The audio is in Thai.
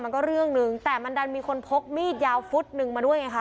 มันก็เรื่องนึงแต่มันดันมีคนพกมีดยาวฟุตนึงมาด้วยไงคะ